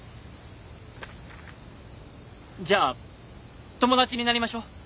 「じゃあ友達になりましょう」。